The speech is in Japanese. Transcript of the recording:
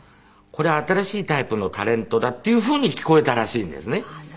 これは新しいタイプのタレントだっていう風に聞こえたらしいんですね。